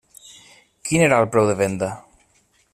Quin era el preu de venda?